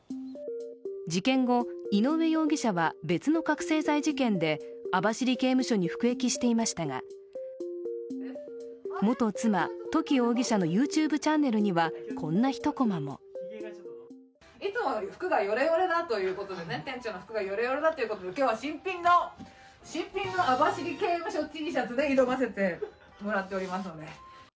事件後、井上容疑者は別の覚醒剤事件で網走刑務所に服役していましたが元妻・土岐容疑者のＹｏｕＴｕｂｅチャンネルにはこんな一コマもいつも服がよれよれだということで、店長の服がよれよれだということで今日は新品の網走刑務所Ｔシャツで挑ませてもらっております。